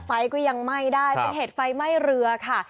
ไฟก็ยังไหม้ได้เป็นเหตุไฟไหม้เรือค่ะ